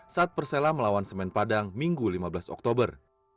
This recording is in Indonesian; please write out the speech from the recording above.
saat persela melawan semen padang minggu lima belas oktober